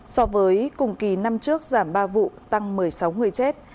so với cùng kỳ năm trước giảm ba vụ tăng một mươi sáu người chết